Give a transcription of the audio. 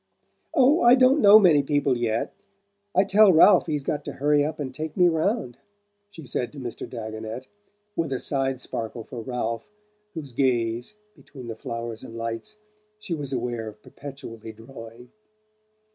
"Oh, I don't know many people yet I tell Ralph he's got to hurry up and take me round," she said to Mr. Dagonet, with a side sparkle for Ralph, whose gaze, between the flowers and lights, she was aware of perpetually drawing.